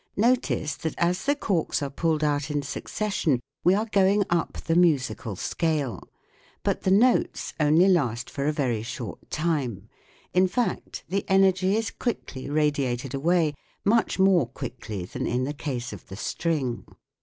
Notice that as the corks are pulled out in succession we are going up the musical scale. But the notes only last for a very short time : in fact, the energy is quickly radiated away much more quickly than in the case of the string.